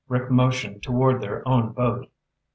Rick motioned toward their own boat.